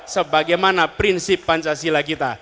sebagaimana prinsip pancasila kita